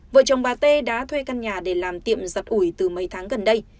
vợ chồng bà t đã thuê căn nhà để làm tiệm giật ủi từ mấy tháng gần đây